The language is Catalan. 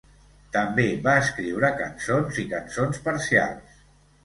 També va escriure cançons i cançons parcials.